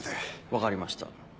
分かりました。